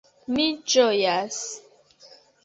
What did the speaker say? Mi ĝojas!